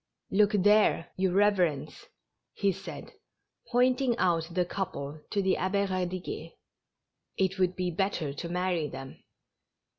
" Look there, your reverence," he said, pointing out the couple to tlie Abbe Eadiguet. ''It would be better to marry them."